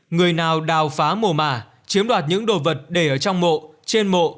người nào đào phá mồ mả chiếm đoạt những đồ vật để ở trong mộ trên mộ